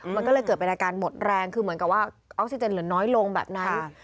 มันก็เลยเกิดเป็นอาการหมดแรงคือเหมือนกับว่าออกซิเจนเหลือน้อยลงแบบนั้น